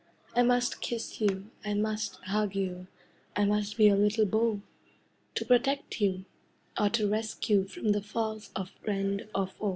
I must kiss you, I must hug you, I must be your little beau, To protect you Or to rescue From the faults of friend or foe.